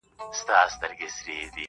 o په هره شپه پسي سهار سته٫